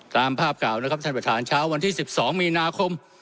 ตามภาพกล่าวนะครับท่านประธานเช้าวันที่๑๒มีนาคม